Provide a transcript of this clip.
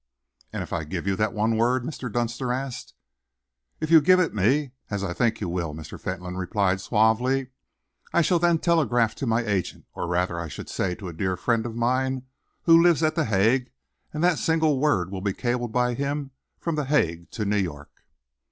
"And if I give you that one word?" Mr. Dunster asked. "If you give it me, as I think you will," Mr. Fentolin replied suavely, "I shall then telegraph to my agent, or rather I should say to a dear friend of mine who lives at The Hague, and that single word will be cabled by him from The Hague to New York."